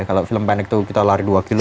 kalau film pendek itu kita lari dua kilo